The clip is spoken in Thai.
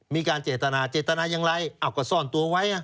มีการเจตนาเจตนาอย่างไรก็ซ่อนตัวไว้